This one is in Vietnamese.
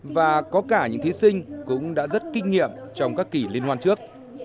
và có cả những thí sinh cũng đã rất kinh nghiệm trong các kỷ liên hoàn trước